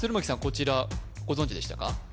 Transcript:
こちらご存じでしたか？